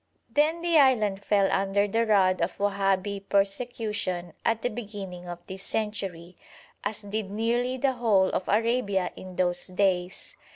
Then the island fell under the rod of Wahabi persecution at the beginning of this century, as did nearly the whole of Arabia in those days.